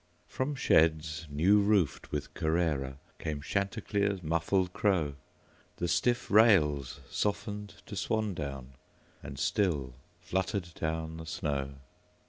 From sheds new roofed with CarraraCame Chanticleer's muffled crow, The stiff rails softened to swan's down, And still fluttered down the snow.